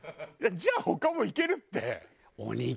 じゃあ他もいけるって！